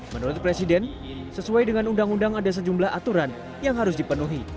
menurut presiden sesuai dengan undang undang ada sejumlah aturan yang harus dipenuhi